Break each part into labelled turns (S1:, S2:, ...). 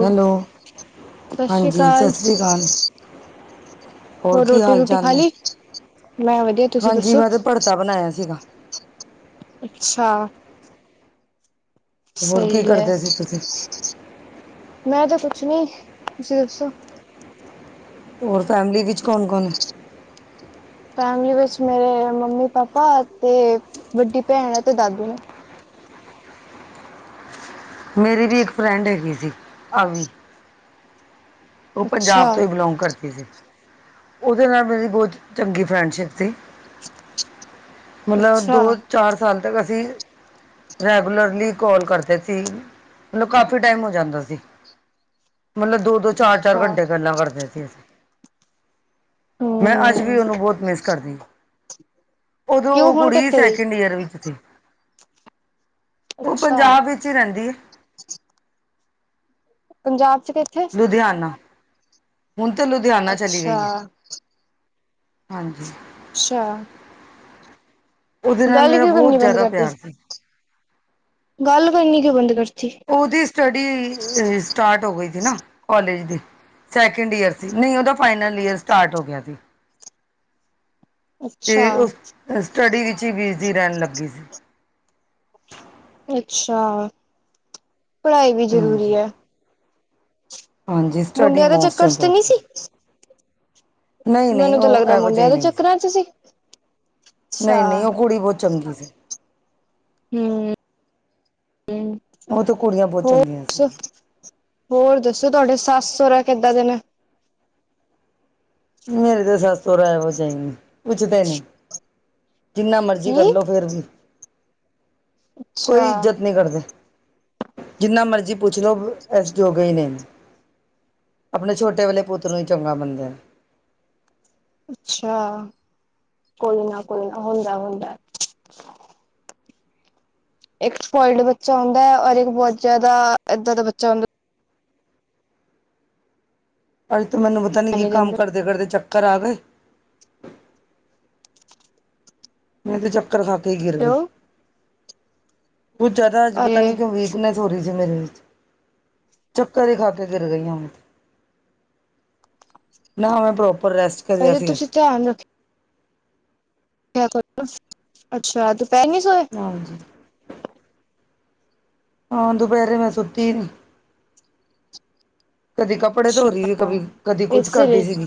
S1: Hello,
S2: ਸਤਿ ਸ੍ਰੀ
S1: ਹਾਂਜੀ
S2: ਅਕਾਲ
S1: ਸਤਿ ਸ਼੍ਰੀ ਅਕਾਲ।
S2: ਹੋਰ
S1: ਕੀ ਹਾਲ
S2: ਰੋਟੀ-ਰੂਟੀ
S1: ਚਾਲ ਨੇ
S2: ਖਾਲੀ, ਮੈਂ ਵਧੀਆ ਤੁਸੀਂ ਦੱਸੋ।
S1: ਫੋਨ ਆਇਆ ਸੀਗਾ।
S2: ਅੱਛਾ।
S1: ਹੋਰ ਕੀ
S2: ਸਹੀ ਹੈ,
S1: ਕਰਦੇ ਸੀ ਤੁਸੀਂ
S2: ਮੈਂ ਤੇ ਕੁਛ ਨੀ, ਤੁਸੀਂ ਦੱਸੋ
S1: ਹੋਰ ਫੈਮਿਲੀ ਵਿੱਚ ਕੌਣ-ਕੌਣ ਹੈ।
S2: ਫੈਮਿਲੀ ਵਿੱਚ ਮੇਰੇ ਮੰਮੀ-ਪਾਪਾ ਤੇ, ਵੱਡੀ ਭੈਣ ਤੇ ਦਾਦੀ ਹੈ।
S1: ਮੇਰੀ ਵੀ ਇੱਕ ਫਰੈਂਡ ਹੈਗੀ ਸੀ, ਆਵੀ। ਉਹ ਪੰਜਾਬ
S2: ਅੱਛਾ
S1: ਤੋਂ ਇ ਬਿਲੋਂਗ ਕਰਦੀ ਸੀ, ਉਦੇ ਨਾ ਮੇਰੀ ਬੋਤ ਚੰਗੀ ਫਰੈਂਡਸ਼ਿਪ ਸੀ। ਮਤਲਬ,
S2: ਅੱਛਾ
S1: ਦੋ-ਚਾਰ ਸਾਲ ਤੱਕ ਅਸੀਂ ਰੈਗੂਲਰਲੀ ਕਾੱਲ ਕਰਦੇ ਸੀ ਮਤਲੱਬ ਕਾਫੀ਼ ਟਾਈਮ ਹੋ ਜਾਂਦਾ ਸੀ, ਮਤਲੱਬ ਦੋ ਚਾਰ-ਚਾਰ
S2: ਅੱਛਾ
S1: ਘੰਟੇ ਗੱਲਾਂ ਕਰਦੇ ਸੀ ਅਸੀ ਮੈਂ ਅੱਜ ਵੀ
S2: ਹਮ
S1: ਓਹਨੂੰ ਬੋਤ ਮਿਸ ਕਰਦੀ ਉਦੋਂ
S2: ਕਿਉ
S1: ਉਹ
S2: ਹੁਣ
S1: ਕੁੜੀ
S2: ਕਿੱਥੇ ਗਈ
S1: ਸੈਕਿੰਡ ਈਅਰ ਵਿੱਚ ਸੀ ਉਹ
S2: ਅੱਛਾ
S1: ਪੰਜਾਬ ਵਿੱਚ ਹੀ ਰੈਂਦੀ ਹੈ।
S2: ਪੰਜਾਬ ਚ ਫੇਰ
S1: ਲੁਧਿਆਨਾ, ਹੁਨ ਤੇ ਲੁਧਿਆਨਾ ਚਲੀ
S2: ਅੱਛਾ
S1: ਗਈ ਹੈ। ਹਾਂਜੀ।
S2: ਛਾ,
S1: ਉਹਦੇ ਨਾਲ
S2: ਗੱਲ
S1: ਮੇਰਾ
S2: ਕਿਉਂ
S1: ਬਹੁਤ
S2: ਕਰਨੀ ਬੰਦ
S1: ਜ਼ਿਆਦਾ
S2: ਕਰਤੀ,
S1: ਪਿਆਰ ਸੀ
S2: ਗੱਲ ਕਰਨੀ ਕਿਉਂ ਬੰਦ ਕਰ
S1: ਓ ਦੀ ਸਟਡੀ ਸਟਾਰਟ ਹੋ ਗਈ ਸੀ ਨਾ, ਕੋਲੇਜ ਦੀ, ਸੈਕਿੰਡ ਈਅਰ ਸੀ, ਨਈ ਓਦਾ ਫਾਈਨਲ ਈਅਰ ਸਟਾਰਟ ਹੋ ਗਿਆ ਸੀ। ਤੇ
S2: ਅੱਛਾ
S1: ਉਫ, ਸਟੱਡੀ ਵਿੱਚ ਇ ਬਿਜ਼ੀ ਰੈਣ ਲੱਗੀ ਸੀ।
S2: ਅੱਛਾ, ਪੜ੍ਹਾਈ ਵੀ
S1: ਹਾਂਜੀ
S2: ਜਰੂਰੀ ਹੈ।
S1: ਹਾਂਜੀ ਸਟੱਡੀ
S2: ਮੁੰਡਿਆਂ ਦੇ ਚੱਕਰ ਚ ਤੇ ਨਈ ਸੀ
S1: ਨਈ-ਨਈ
S2: ਮੈਨੂੰ
S1: ਓ
S2: ਤਾਂ ਲੱਗਦਾ
S1: ਐਵੋ
S2: ਮੁੰਡਿਆਂ
S1: ਜੇਹੀ
S2: ਦੇ
S1: ਨਈ ਸੀ
S2: ਚੱਕਰਾਂ ਚ
S1: ਨਈ-ਨਈ ਓ ਕੁੜੀ ਬੋਤ ਚੰਗੀ ਸੀ।
S2: ਹੂੰ।
S1: ਉਹ ਤਾਂ ਕੁੜੀਆਂ ਬਹੁਤ
S2: ਹੋਰ
S1: ਚੰਗੀਆਂ ਸੀ
S2: ਦੱਸੋ, ਹੋਰ ਦੱਸੋ ਤੁਹਾਡੇ ਸੱਸ-ਸੋਰਾ ਕਿੱਦਾਂ ਦੇ ਨੇ?
S1: ਮੇਰੇ ਤੇ ਸੱਸ ਸੌਰਾ ਐਵੇ ਜਹੀ ਨਹੀਂ ਪੁਛਦੇ ਨਹੀਂ। ਜਿੰਨਾ ਮਰਜ਼ੀ
S2: ਕੀ
S1: ਕਰਲੋ ਫੇਰ ਵੀ
S2: ਅੱਛਾ
S1: ਕੋਈ ਇਜਤ ਨਹੀਂ ਕਰਦੇ ਜਿੰਨਾ ਮਰਜ਼ੀ ਪੁੱਛ ਲਓ ਐਸੇ ਜੋਗੇ ਨਹੀਂ। ਆਪਣੇ ਛੋਟੇ ਵਾਲੇ ਪੁੱਤਰ ਨੂੰ ਹੀ ਚੰਗਾ ਮੰਨਦੇ।
S2: ਅੱਛਾ ਕੋਈ ਨਾ ਕੋਈ ਨਾ ਹੁੰਦਾ, ਹੁੰਦਾ। ਇੱਕ ਸਪੋਇਲਡ ਬੱਚਾ ਹੁੰਦਾ ਹੈ ਔਰ ਇੱਕ ਬੋਤ ਜਾਦਾ ਏਦਾਂ ਦਾ ਬੱਚਾ ਹੁੰਦਾ।
S1: ਅਜ ਤਾਂ ਮੈਨੂੰ ਪਤਾ ਨ
S2: ਧਿਆਨ
S1: ਕੀ
S2: ਨਹੀਂ
S1: ਕੰਮ
S2: ਦਿੰਦਾ
S1: ਕਰਦੇ, ਕਰਦੇ ਚੱਕਰ ਆ ਗਏ। ਮੈਂ ਤੇ ਚੱਕਰ ਖਾਕੇ ਹੀ ਗਿਰ ਗਈ
S2: ਹੈਲੋ
S1: ਕੁੱਛ ਜਾਦਾ ਅੱਜ ਪਤਾ ਨੀ
S2: ਅਰੇ
S1: ਕਿਉਂ ਵੀ ਰ [unintelligible] ਹੀ ਸੀ ਮੇਨੂ ਚੱਕਰ ਹੀ ਖਾ ਕੇ ਗਿਰ ਗਈ ਹ ਮੈਂ। ਨਾ ਮੈਂ ਪ੍ਰੋਪਰ ਰੈਸਟ ਕਰਿਆ
S2: ਅਰੇ
S1: ਸੀਗਾ।
S2: ਤੁਸੀਂ ਧਿਆਨ ਰੱਖ। ਕਿਆ ਕਰ ਅੱਛਾ ਦੁਪਹਿਰ ਨ ਸੋਏ।
S1: ਹਾਂਜੀ। ਹਾਂ ਦੁਪੈਰੇ ਮੈਂ ਸੁੱਤੀ ਨਹੀਂ। ਕਦੀ ਕੱਪੜੇ
S2: ਅੱਛਾ
S1: ਧੋ ਰਹੀ ਏ ਕਦੀ, ਕਦੀ ਕੁੱਝ
S2: ਇਸੇ
S1: ਕਰਦੀ
S2: ਲਈ
S1: ਸੀਗੀ।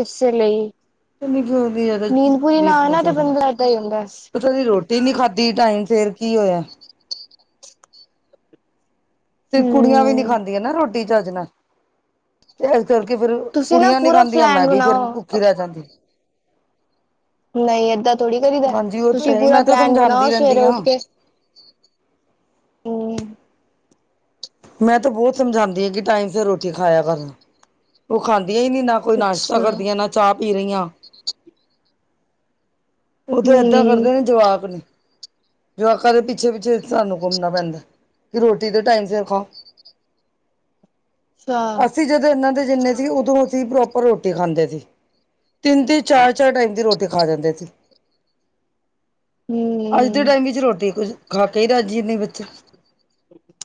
S2: ਇਸੇ ਲਈ
S1: ਪਤਾ ਨੀ ਕਿਉਂ ਇੰਨੀ ਜ਼ਿਆਦਾ
S2: ਨੀਂਦ ਪੂਰੀ ਨਾ ਆ ਨਾ ਤੇ ਬੰਦਾ ਇਦਾਂ ਹੀ ਹੁੰਦਾ।
S1: ਕਦੀ ਰੋਟੀ ਨੀ ਖਾਧੀ ਟਾਈਮ ਫਿਰ ਕੀ ਹੋਇਆ। ਤੇ ਕੁੜੀਆਂ ਵੀ ਨੀ
S2: ਹਮ
S1: ਖਾਂਦੀਆਂ ਨਾ ਰੋਟੀ ਚਜ ਨਾਲ। ਤੇ ਇਸ ਕਰਕੇ ਫੇਰ
S2: ਤੁਸੀਂ ਨਾ
S1: ਕੁੜੀਆਂ ਨੀ
S2: ਪੂਰਾ
S1: ਖਾਂਦੀਆਂ
S2: ਪਲੈਨ
S1: ਮੈਂ ਵੀ ਫੇਿਰ
S2: ਬਣਾਓ
S1: ਭੁੱਖੀ ਰੈ ਜਾਂਦੀ।
S2: ਨਹੀਂ ਏਦਾਂ ਥੋੜ੍ਹੀ ਕਰੀਦਾ
S1: ਹਾਂਜੀ ਉਹ ਤਾਂ
S2: ਤੁਸੀਂ
S1: ਹੈ
S2: ਪੂਰਾ
S1: ਮੈਂ ਤਾਂ
S2: ਪਲੈਨ
S1: ਸਮਝਾਂਦੀ
S2: ਬਣਾਓ ਸਵੇਰੇ
S1: ਰੈਂਦੀ ਹਾਂ।
S2: ਉੱਠ ਕੇ ਹਮ
S1: ਮੈਂ ਤਾਂ ਬੋਤ ਸਮਝਾਦੀ ਹਾਂ ਕਿ ਟਾਈਮ ਸਿਰ ਰੋਟੀ ਖਾਇਆ ਕਰ ਨ ਉਹ ਖਾਂਦੀਆਂ ਹੀ ਨਹੀਂ ਨਾ। ਕੋਈ ਨਾਸ਼ਤਾ
S2: ਅੱਛਾ
S1: ਕਰਦੀਆਂ ਨਾ ਚਾਹ ਪੀਦੀਆਂ। ਉਹਤੇ ਏਦਾਂ
S2: ਹਮ
S1: ਕਰਦੇ ਨੇ ਜਵਾਕ ਨੀ ਜਵਾਕਾਂ ਦੇ ਪਿੱਛੇ, ਪਿੱਛੇ ਸਾਨੂੰ ਘੁੰਮਣਾ ਪੈਂਦਾ ਕਿ ਰੋਟੀ ਦੇ ਟਾਈਮ ਸਿਰ ਖਾਓ। [inaudible]
S2: ਸਾ
S1: ਤੇ ਜਦੋਂ ਇਹਨਾਂ ਦੇ ਜਿੰਨੇ ਸੀ, ਉਦੋਂ ਅਸੀਂ ਪ੍ਰੋਪਰ ਰੋਟੀ ਖਾਂਦੇ ਸੀ। ਤਿੰਨ-ਤਿੰਨ, ਚਾਰ-ਚਾਰ ਟਾਈਮ ਦੀ ਰੋਟੀ ਖਾ ਜਾਂਦੇ ਸੀ।
S2: ਹੂੰ।
S1: ਜ ਦੇ ਟਾਈਮ ਵਿੱਚ ਰੋਟੀ ਕੁਝ ਖਾ ਕੇ ਹੀ ਰਾਜੀ ਨੀ ਬੱਚਾ।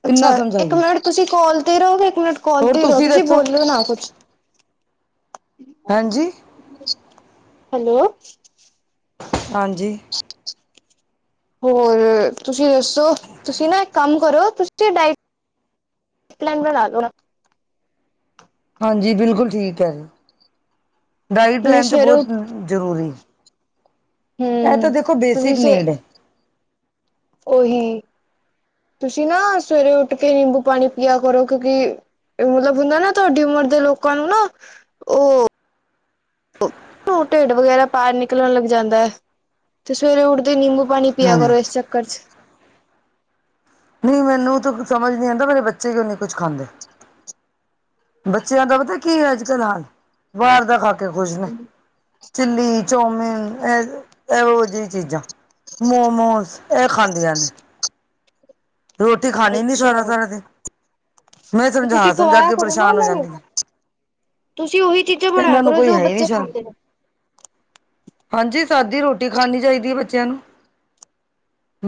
S2: ਅੱਛਾ, ਇੱਕ ਮਿੰਟ ਤੁਸੀਂ ਕਾਲ ਤੇ ਰਹੋਗੇ, ਇੱਕ ਮਿੰਟ ਕਾਲ
S1: ਹੋਰ
S2: ਤੇ ਹੀ ਰਹੋ ਤੁਸੀਂ
S1: ਦੱਸੋ
S2: ਬੋਲਓ ਨਾ ਕੁਛ
S1: [inaudible]
S2: ਜੀ ਹਾਂਜੀ, ਹੈਲੋ।
S1: ਹਾਂਜੀ।
S2: ਹੋਰ ਤੁਸੀਂ ਦੱਸੋ? ਤੁਸੀਂ ਨਾ ਇੱਕ ਕੰਮ ਕਰੋ ਤੁਸੀਂ ਤੇ ਡਾਇ ਪਲੈਨ ਬਣਾ ਲਓ ਨਾ।
S1: ਹਾਂਜੀ ਬਿਲਕੁਲ ਠੀਕ ਐ, ਡਾਇਟ
S2: ਤੁਸੀਂ
S1: ਪਲੈਨ ਤਾਂ
S2: ਸਵੇਰੇ
S1: ਬਹੁਤ ਆ ਜ਼ਰੂਰੀ। ਐ ਤਾਂ
S2: ਹਮ
S1: ਦੇਖੋ ਬੇਸਿਕ ਨੀਡ ਐ।
S2: ਓਹੀ ਤੁਸੀਂ ਨਾ ਸਵੇਰੇ ਉੱਠ ਕੇ ਨਿੰਬੂ ਪਾਣੀ ਪਿਆ ਕਰੋ ਕਿਉਂਕਿ ਇਹ ਮਤਲਬ ਹੁੰਦਾ ਨਾ ਤੁਹਾਡੀ ਉਮਰ ਦੇ ਲੋਕਾਂ ਨੂੰ ਨਾ ਉਹ ਓ ਢਿੱਡ ਵਗੈਰਾ ਪਾਰ ਨਿਕਲਣ ਲੱਗ ਜਾਂਦਾ, ਤੇ ਸਵੇਰੇ ਉੱਠਦੇ ਨਿੰਬੂ ਪਾਣੀ ਪਿਆ ਕਰੋ
S1: ਹਾਂਜੀ
S2: ਇਸ ਚੱਕਰ 'ਚ
S1: ਨਈ ਮੈਨੂੰ ਤਾਂ ਕੁਛ ਸਮਝ ਨਹੀਂ ਆਂਦਾ ਮੇਰੇ ਬੱਚੇ ਕਿਉਂ ਨਹੀਂ ਨੀ ਕੁਛ ਖਾਂਦੇ। ਬੱਚਿਆਂ ਦਾ ਪਤਾ ਕੀ ਅੱਜ ਕੱਲ ਹਾਲ, ਬਾਹਰ ਦਾ ਖਾ ਕੇ ਖੁਸ਼ ਨੇ। ਚਿੱਲੀ ਚੌਮਿਨ ਇਹ ਇਹੋ ਜਿਹੀ ਚੀਜ਼ਾਂ। ਮੋਮੋਸ ਐ ਖਾਂਦੀਆਂ ਨੇ। ਰੋਟੀ ਖਾਣੀ ਨੀ ਸਾਰਾ,
S2: ਅੱਛਾ
S1: ਸਾਰਾ ਦਿਨ। ਮੈਂ
S2: ਤੇ ਤੁਸੀਂ
S1: ਸਮਝਾ-ਸਮਝਾ
S2: ਖਵਾਇਆ
S1: ਕੇ
S2: ਕਰੋ ਨਾ
S1: ਪਰੇਸ਼ਾਨ ਹੋ
S2: ਉਹਨਾਂ ਨੂੰ
S1: ਜਾਂਨੀ ਆ।
S2: ਤੁਸੀਂ ਉਹੀ ਚੀਜ਼ਾਂ ਬਣਾਇਆ ਕਰੋ ਜੋ
S1: ਹੈ ਹੀ ਨਹੀਂ
S2: ਬੱਚੇ
S1: ਸ਼ਰਮ
S2: ਖਾਂਦੇ ਨੇ।
S1: ਹਾਂਜੀ ਸਾਦੀ ਰੋਟੀ ਖਾਣੀ ਚਾਹੀਦੀ ਐ ਬੱਚਿਆਂ ਨੂੰ।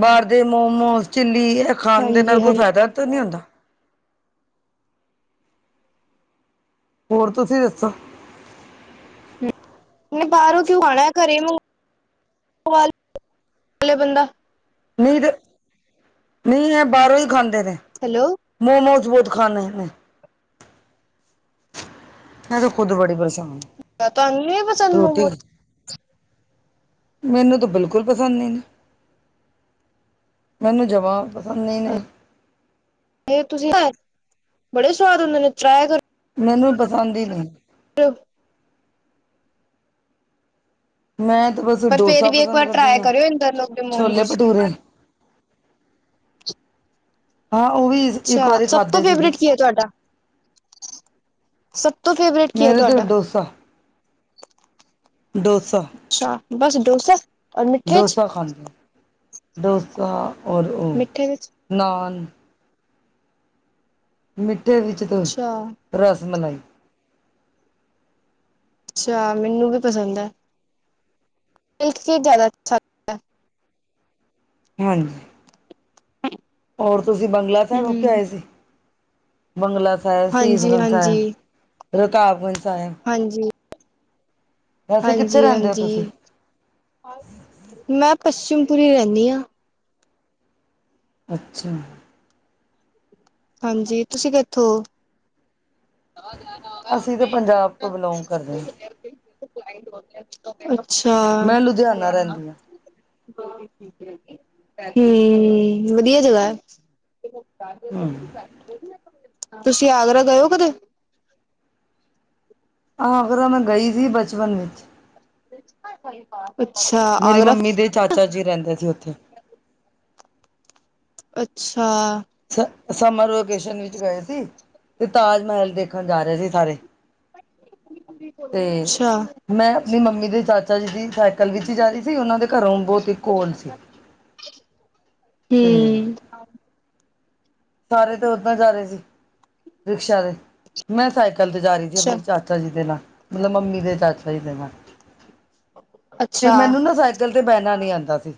S1: ਬਾਹਰ ਦੇ ਮੋਮੋਸ ਚਿੱਲੀ ਇਹ ਖਾਣ ਦੇ ਨਾਲ
S2: ਹਾਂਜੀ
S1: ਕੋਈ
S2: ਹਾਂਜੀ
S1: ਫਾਇਦਾ ਤਾਂ ਨਹੀਂ ਹੁੰਦਾ। ਹੋਰ ਤੁਸੀਂ ਦੱਸੋ?
S2: ਨੀ ਬਾਹਰੋਂ ਕਿਉ ਆਉਣਾ ਘਰੇ ਮੰਗ ਵਾ ਲੇ ਬੰਦਾ।
S1: ਨਈ ਤੇ, ਨਈ ਏ ਬਾਹਰੋਂ ਈ ਖਾਂਦੇ ਨੇ।
S2: ਹੈਲੋ
S1: ਮੋਮੋਜ਼ ਬਹੁਤ ਖਾਨੇ ਨੇ। ਮੈਂ ਤੇ ਖੁਦ ਬੜੀ ਪਰੇਸ਼ਾਨ ਆ।
S2: ਅ ਤੁਹਾਨੂੰ ਨਹੀਂ ਪਸੰਦ ਮੋਮੋਜ਼?
S1: ਮੈਨੂੰ ਤੇ ਬਿਲਕੁਲ ਪਸੰਦ ਨਹੀਂ ਨੇ। ਮੈਨੂੰ ਜਮਾ ਪਸੰਦ ਨਹੀਂ ਨੇ।
S2: [unintelligible] ਬੜੇ ਸਵਾਦ ਹੁੰਦੇ ਨੇ ਟਰਾਈ ਕਰੋ।
S1: ਮੈਨੂੰ ਪਸੰਦ ਈ ਨਹੀਂ।
S2: [unintelligible]
S1: ਮੈਂ ਤੇ ਬਸ
S2: ਪਰ
S1: ਡੋਸਾ
S2: ਫੇਰ ਵੀ ਇੱਕ
S1: ਪਸੰਦ
S2: ਵਾਰ
S1: ਕਰਦੀ
S2: ਟਰਾਈ
S1: ਐ,
S2: ਕਰਿਓ ਇੰਦਰ ਲੋਕ ਦੇ
S1: ਛੋਲੇ
S2: ਮੋਮੋਸ
S1: ਭਟੂਰੇ ਹਾਂ ਉਹ ਵੀ ਇਸ ਇੱਕ
S2: ਅੱਛਾ
S1: ਵਾਰੀ
S2: ਸਭ ਤੋਂ
S1: ਖਾਧੇ ਸੀਗੇ।
S2: ਫੇਵਰੇਟ ਕੀ ਆ ਤੁਹਾਡਾ ਸਭ ਤੋਂ ਫੇਵਰੇਟ ਕੀ ਹੈ
S1: ਮੇਰੇ ਤਾਂ
S2: ਤੁਹਾਡਾ?
S1: ਡੋਸਾ ਡੋਸਾ
S2: ਸਾ, ਬਸ ਡੋਸਾ ਔਰ ਮਿੱਠੇ ਚ
S1: ਦੋਸਾ ਖਾਂਦੀ ਆ, ਡੋਸਾ ਔਰ ਉਹ
S2: ਮਿੱਠੇ ਵਿੱਚ
S1: ਨਾਨ ਮਿੱਠੇ ਵਿੱਚ ਤੂੰ
S2: ਅੱਛਾ
S1: ਰਸ ਮਲਾਈ
S2: ਅੱਛਾ ਮੈਨੂੰ ਵੀ ਪਸੰਦ ਹੈ ਲਥ ਜ਼ਿਆਦਾ ਅੱਛਾ
S1: ਹਾਂਜੀ ਹੋਰ ਤੁਸੀਂ ਬੰਗਲਾ ਸਾਹਿਬਹੋ ਕੇ
S2: ਹਮ
S1: ਆਏ ਸੀ ਬੰਗਲਾ ਸਾਹਿਬ
S2: ਹਾਂਜੀ
S1: ਸੀਸਗੰਜ
S2: ਹਾਂਜੀ
S1: ਸਾਹਿਬ ਰਤਾਬ ਗੰਜ ਸਾਹਿਬ
S2: ਹਾਂਜੀ
S1: ਵੈਸੇ ਕਿੱਥੇ
S2: ਹਾਂਜੀ
S1: ਰਹਿੰਦੇ ਹੋ
S2: ਹਾਂਜੀ
S1: ਤੁਸੀਂ
S2: ਮੈਂ ਪਛਮਪੁਰੀ ਰਹਿੰਦੀ ਹਾਂ
S1: ਅੱਛਾ
S2: ਹਾਂਜੀ ਤੁਸੀਂ ਕਿੱਥੋਂ
S1: ਅਸੀਂ ਤਾਂ ਪੰਜਾਬ ਤੋਂ ਬਿਲੋਂਗ ਕਰਦੇ ਹਾਂ
S2: [unintelligible] ਅੱਛਾ
S1: ਮੈਂ ਲੁਧਿਆਣਾ ਰਹਿੰਦੀ ਹਾਂ
S2: ਹਮ ਵਧੀਆ ਜਗ੍ਹਾ
S1: ਹਮ
S2: ਤੁਸੀਂ ਆਗਰਾ ਗਏ ਹੋ ਕਦੇ
S1: ਆਹ ਅਗਰ ਮੈਂ ਗਈ ਸੀ ਬਚਪਨ ਵਿੱਚ
S2: ਅੱਛਾ
S1: ਮੇਰੀ
S2: ਆਗਰਾ
S1: ਮੰਮੀ ਦੇ ਚਾਚਾ ਜੀ ਰਹਿੰਦੇ ਸੀ ਉੱਥੇ
S2: ਅੱਛਾ
S1: ਸ ਸਮਰ ਵੋਕੇਸ਼ਨ ਵਿੱਚ ਗਏ ਸੀ ਅਤੇ ਤਾਜ ਮਹਿਲ ਦੇਖਣ ਜਾ ਰਿਹਾ ਸੀ ਸਾਰੇ ਤੇ
S2: ਅੱਛਾ
S1: ਮੈਂ ਆਪਣੀ ਮੰਮੀ ਦੇ ਚਾਚਾ ਜੀ ਦੀ ਸਾਈਡ ਕਲ ਵਿੱਚ ਹੀ ਜਾ ਰਹੀ ਸੀ ਉਹਨਾਂ ਦੇ ਘਰੋਂ ਬਹੁਤ ਹੀ ਕੋਲ ਸੀ ਤੇ
S2: ਹਮ
S1: ਸਾਰੇ ਤੇ ਉਓਦਾਂ ਜਾ ਰਹੇ ਸੀ ਰਿਕਸ਼ਾ ਤੇ ਮੈਂ ਸਾਈਕਲ ਤੇ ਜਾ ਰਹੀ ਸੀ
S2: ਅੱਛਾ
S1: ਆਪਣੀ ਚਾਚੀ ਚਾਚਾ ਜੀ ਦੇ ਨਾਲ ਮਤਲਬ ਮੰਮੀ ਦੇ ਚਾਚਾ ਜੀ ਦੇ ਨਾਲ ਤੇ ਮੈਨੂੰ
S2: ਅੱਛਾ-ਅੱਛਾ
S1: ਨਾ ਕਲ ਤੇ ਬਹਿਣਾ ਨਹੀਂ ਆਉਂਦਾ ਸੀ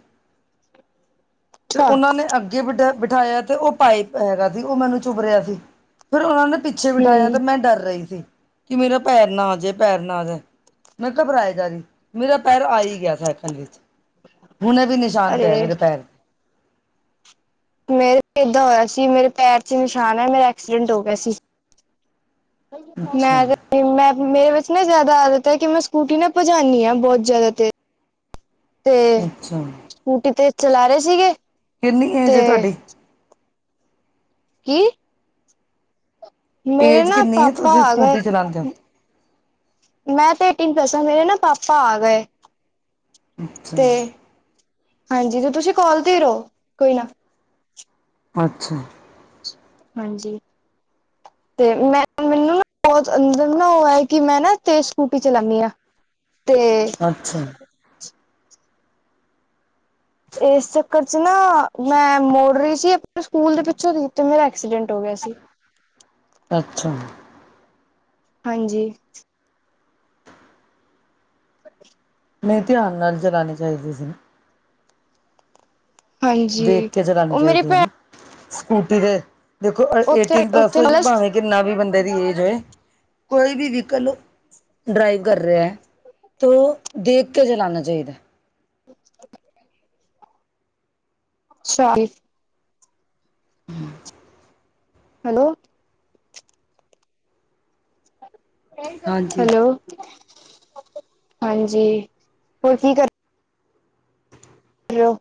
S1: ਤੇ ਉਹਨਾਂ ਨੇ ਅੱਗੇ ਅੱਗੇ ਬਿਠਾ ਬਿਠਾਇਆ ਤੇ ਉਹ ਪਾਈਪ ਹੈਗਾ ਸੀ ਉਹ ਮੈਨੂੰ ਚੁੱਭ ਰਿਹਾ ਸੀ ਫੇਿਰ ਉਹਨਾਂ ਨੇ ਪਿੱਛੇ ਬਿਠਾਇਆ
S2: ਹੂੰ
S1: ਤੇ ਮੈਂ ਡਰ ਰਹੀ ਸੀ ਕਿ ਮੇਰਾ ਪੈਰ ਨਾ ਜਾਏ ਪੈਰ ਨਾ ਜਾਏ ਮੈਂ ਘਬਰਾਏ ਜਾਾ ਰੀ ਮੇਰਾ ਪੈਰ ਆਈ ਗਿਆ ਸਾਈਕਲ ਵਿੱਚ ਹੂਣੇ ਵੀ ਨਿਸ਼ਾਨ ਪੇ ਰੇ ਹੈ
S2: ਅਰੇ
S1: ਮੇਰੇ ਪੈਰ
S2: ਮੇਰੇ ਏਦਾਂ ਹੋਇਆ ਸੀ ਮੇਰੇ ਪੈਰ ਚ ਨਿਸ਼ਾਨ ਹੈ ਮੇਰਾ ਐਕਸੀਡੈਂਟ ਹੋ ਗਿਆ ਸੀ ਮੈਂ
S1: ਅੱਛਾ ਜੀ,
S2: ਅਗਰ ਮੈਂ ਮੇਰੇ ਵਿੱਚ ਨਾ ਜ਼ਿਆਦਾ ਆਦਤ ਹੈ ਕਿ ਮੈਂ ਸਕੂਟੀ ਨਾ ਪਜਾਨੀ ਹਾਂ, ਬਹੁਤ ਜ਼ਿਆਦਾ ਤੇਜ ਤੇ
S1: ਅੱਛਾ
S2: ਸਕੂਟੀ ਤੇ ਚਲਾ ਰਹੇ ਸੀਗੇ
S1: ਕਿੰਨੀ ਏਜ
S2: ਤੇ
S1: ਹੈ ਤੁਹਾਡੀ
S2: ਕੀ ਮੇਰੇ
S1: ਏਜ
S2: ਨਾ
S1: ਕਿੰਨੀ ਹੈ
S2: ਪਾਪਾ
S1: ਤੁਸੀਂ
S2: ਆ ਗਏ
S1: ਸਕੂਟੀ ਚਲਾਉਂਦੇ ਹੋ
S2: ਮੈਂ ਤਾ ਏਟੀਨ ਪਲਸ ਆ ਮੇਰੇ ਨਾ ਪਾਪਾ ਆ ਗਏ
S1: ਅੱਛਾ
S2: ਤੇ ਹਾਂਜੀ ਜ ਤੁਸੀਂ ਕੋਲ ਤੇ ਰਹੋ ਕੋਈ ਨਾ
S1: ਅੱਛਾ
S2: ਹਾਂਜੀ ਤੇ ਮੈਂ ਮੈਨੂੰ ਨਾ ਬਹੁਤ ਅਦੰਰ ਨਾ ਉਹ ਹੈ ਕਿ ਮੈਂ ਨਾ ਤੇਜ਼ ਸਕੂਟੀ ਚਲਾਨੀ ਆ ਤੇ
S1: ਅੱਛਾ
S2: ਇਸ ਚੱਕਰ ਚ ਨਾ ਮੈਂ ਮੋੜ ਰਹੀ ਸੀ, ਆਪਨੇ ਸਕੂਲ ਦੇ ਪਿੱਛੋਂ ਦੀ ਤੇ ਮੇਰਾ ਐਕਸੀਡੈਂਟ ਹੋ ਗਿਆ ਸੀ
S1: ਅੱਛਾ
S2: ਹਾਂਜੀ [inaudible]
S1: ਨਈ ਧਿਆਨ ਨਾਲ ਚਲਾਨੀ ਚਾਹੀਦੀ ਸੀ ਦੇਖ
S2: ਹਾਂਜੀ
S1: ਕੇ ਚਲਾਨੀ
S2: ਉਹ ਮੇਰੀ
S1: ਚਾਹੀਦੀ
S2: ਭੈਣ
S1: ਸੀ, ਸਕੂਟੀ ਦੇ ਦੇਖੋ
S2: ਉੱਥੇ
S1: ਏਟੀਨ ਪਲੱਸ
S2: ਉੱਥੇ ਨਾਲ
S1: ਭਾਵੇਂ ਕਿਨਾ ਵੀ ਬੰਦੇ ਦੀ ਏਜ ਹੈ, ਕੋਈ ਵੀ ਵੀਕਲ ਨੂੰ, ਡਰਾਈਵ ਕਰ ਰਿਹਾ ਐ, ਤੋ ਦੇਖ ਕੇ ਚਲਾਨਾ ਚਾਹੀਦਾ,
S2: ਸ਼ਾਹੀ [unintelligible]
S1: ਹਮ [unintelligible]
S2: ਹੈਲੋ
S1: ਹਾਂਜੀ
S2: ਹੈਲੋ ਹਾਂਜੀ, ਹੋਰ ਕੀ ਕਰ ਰੋ-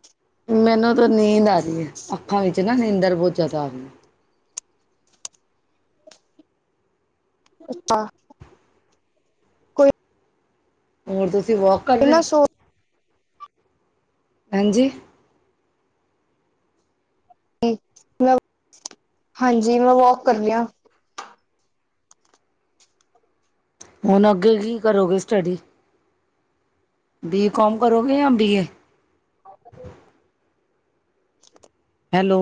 S1: ਮੈਨੂੰ ਤਾਂ ਨੀਂਦ ਆ ਰਹੀ ਹੈ, ਅੱਖਾਂ ਵਿੱਚ ਨਾ ਨੀਂਦਰ ਬਹੁਤ ਜਿਆਦਾ ਆ ਗਈ
S2: ਅੱਛਾ- ਕੋਈ
S1: ਹੋਰ ਤੁਸੀਂ ਵੋਕ ਕਰ ਰਹੇ
S2: ਇਹਨਾਂ
S1: ਹੋ
S2: ਸੂ
S1: ਹਾਂਜੀ
S2: ਮੈਂ ਹਾਂਜੀ, ਮੈਂ ਵੋਕ ਕਰਨੀ ਆ
S1: ਹੁਣ ਅੱਗੇ ਕੀ ਕਰੋਗੇ ਸਟੱਡੀ? ਬੀ- ਕੋੌਮ ਕਰੋਗੇ, ਜਾਂ ਬੀ-ਏ
S2: ਹ [inaudible]
S1: ਹੈਲੋ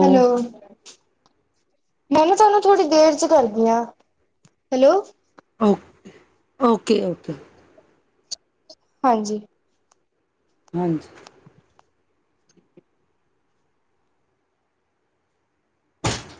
S2: ਹੈਲੋ ਮੈਂ ਨਾ ਤੁਹਾਨੂੰ ਥੋੜ੍ਹੀ ਦੇਰ ਚ ਕਰਦੀ ਆ, ਹੈਲੋ
S1: ਓਕੇ- ਓਕੇ- ਓਕੇ
S2: ਹਾਂਜੀ।
S1: ਹਾਂਜੀ।